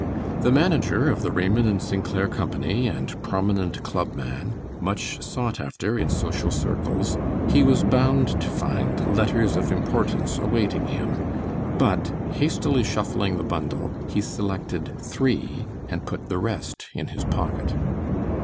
The manager of the Raymond & St. Clair Company and prominent clubman, much sought after in social circles, he was bound to find letters of importance awaiting him, but hastily shuffling the bundle, he selected three, and put the rest in his pocket.